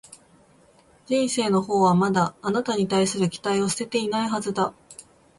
人生のほうはまだ、あなたに対する期待を捨てていないはずだ